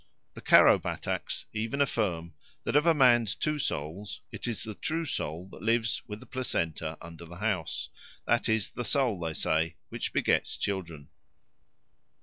The Karo Bataks even affirm that of a man's two souls it is the true soul that lives with the placenta under the house; that is the soul, they say, which begets children.